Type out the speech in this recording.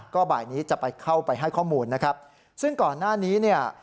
ก็บ่ายนี้จะไปเข้าไปให้ข้อมูลนะครับซึ่งก่อนหน้านี้เนี่ย